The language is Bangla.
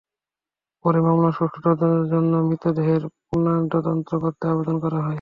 পরে মামলার সুষ্ঠু তদন্তের জন্য মৃতদেহের পুনর্ময়নাতদন্ত করতে আবেদন করা হয়।